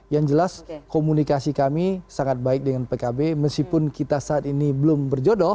yang jelas komunikasi kami sangat baik dengan pkb meskipun kita saat ini belum berjodoh